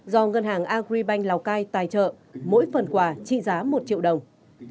do ngân hàng agribank lào cai tài trợ mỗi phần quà trị giá một triệu đồng